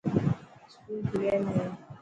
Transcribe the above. اسڪول کليل هي.